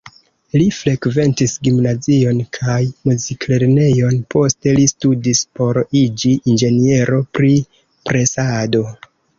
Li frekventis gimnazion kaj muziklernejon, poste li studis por iĝi inĝeniero pri presado.